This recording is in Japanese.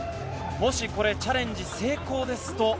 もしチャレンジ成功ですと。